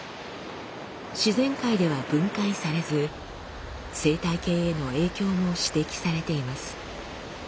自然界では分解されず生態系への影響も指摘されています。